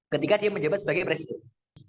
ketika dia menjabat sebagai presiden